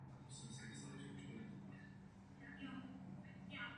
Je absolventem pražské konzervatoře Jaroslava Ježka.